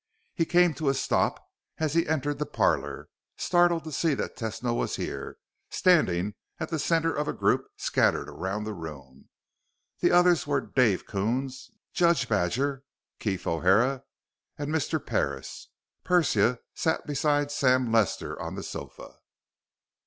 He came to a stop as he entered the parlor, startled to see that Tesno was here, standing at the center of a group scattered around the room. The others were Dave Coons, Judge Badger, Keef O'Hara, and Mr. Parris. Persia sat beside Sam Lester on the sofa.